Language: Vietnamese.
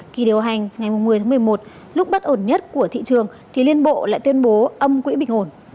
kỳ điều hành ngày một mươi tháng một mươi một lúc bất ổn nhất của thị trường thì liên bộ lại tuyên bố âm quỹ bình ổn